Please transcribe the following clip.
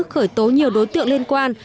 khởi tố nhiều đối tượng liên quan